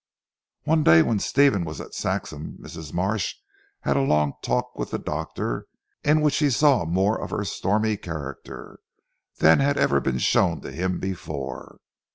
One day when Stephen was at Saxham, Mrs. Marsh had a long talk with the doctor in which he saw more of her stormy character, than had ever been shown to him before.